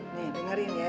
nih dengerin ya